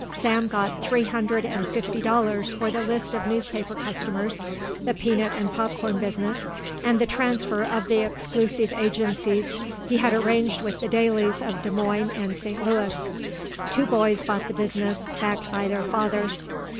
Sam got three hundred and fifty dollars for the list of newspaper customers, the peanut and popcorn business and the transfer of the exclusive agencies he had arranged with the dailies of Des Moines and St. Louis. Two boys bought the business, backed by their fathers.